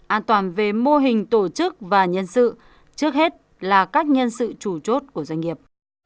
an toàn về mô hình tổ chức và nhân sự trước hết là các nhân sự chủ chốt của doanh nghiệp